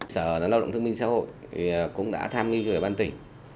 sở lao động thương minh xã hội cũng đã tham nghiên cho bàn tỉnh